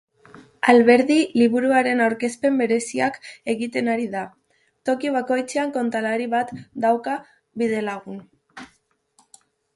Alberdi liburuaren aurkezpen bereziak egiten ari da: toki bakoitzean kontalari bat dauka bidelagun.